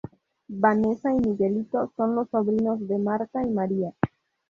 Vanessa y Miguelito son los sobrinos de Marta y Maria.